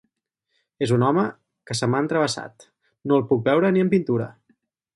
És un home que se m'ha entravessat: no el puc veure ni en pintura.